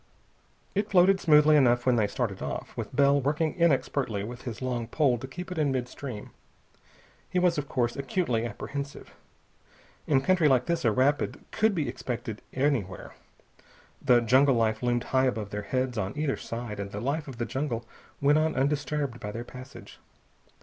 It floated smoothly enough when they started off, with Bell working inexpertly with his long pole to keep it in mid stream. He was, of course, acutely apprehensive. In country like this a rapid could be expected anywhere. The jungle life loomed high above their heads on either side, and the life of the jungle went on undisturbed by their passage.